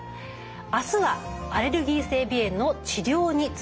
あすはアレルギー性鼻炎の治療についてです。